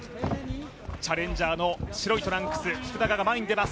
チャレンジャーの白いトランクス、福田が前に出ます。